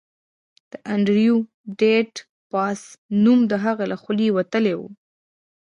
د انډریو ډاټ باس نوم د هغه له خولې وتلی و